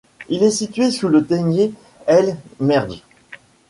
Il est situé sous le Theniet El Merdj.